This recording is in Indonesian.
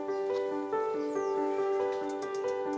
tapi sebulan sakit juga untuk mereka